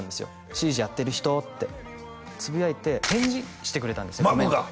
「シージ」やってる人？ってつぶやいて返事してくれたんですマグが？